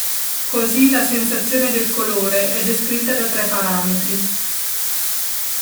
Così, la sensazione del colore è descritta da tre parametri.